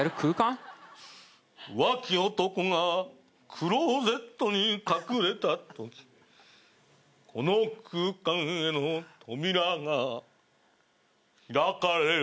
浮気男がクローゼットに隠れたときこの空間への扉が開かれるのです。